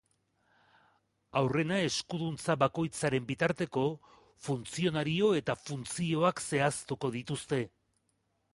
Aurrena, eskuduntza bakoitzaren bitarteko, funtzionario eta funtzioak zehaztuko dituzte.